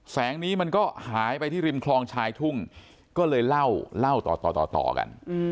แสงนี้มันก็หายไปที่ริมคลองชายทุ่งก็เลยเล่าเล่าต่อต่อกัน